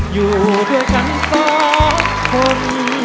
อยู่ด้วยกันสองคน